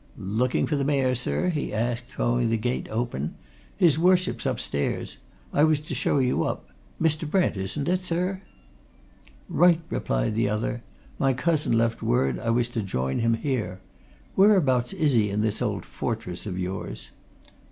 "Looking for the Mayor, sir?" he asked, throwing the gate open. "His Worship's upstairs I was to show you up. Mr. Brent, isn't it, sir?" "Right!" replied the other. "My cousin left word I was to join him here. Whereabouts is he in this old fortress of yours?"